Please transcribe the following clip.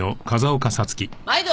まいど！